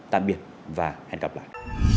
tạm biệt và hẹn gặp lại